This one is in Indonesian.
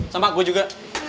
sampai gua juga